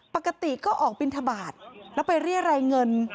ปกติก็ออกบินทบาทแล้วไปเรียรายเงิน